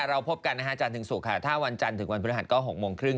เราพบกันนะฮะจันทร์ถึงศุกร์ค่ะถ้าวันจันทร์ถึงวันพฤหัสก็๖โมงครึ่ง